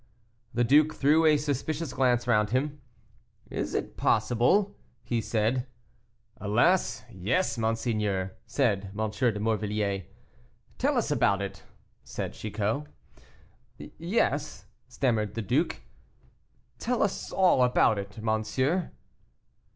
The duke threw a suspicious glance round him. "Is it possible?" he said. "Alas, yes, monseigneur," said M. de Morvilliers. "Tell us all about it," said Chicot. "Yes," stammered the duke, "tell us all about it, monsieur."